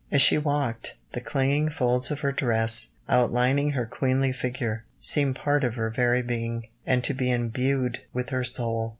"As she walked, the clinging folds of her dress, outlining her queenly figure, seemed part of her very being, and to be imbued with her soul.